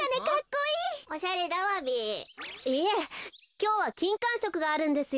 いえきょうはきんかんしょくがあるんですよ。